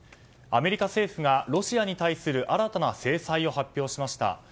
アメリカ政府が、ロシアに対する新たな制裁を発表しました。